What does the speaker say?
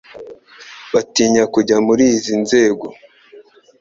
batinya kujya muri izi nzego